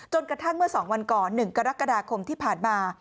กระทั่งเมื่อ๒วันก่อน๑กรกฎาคมที่ผ่านมา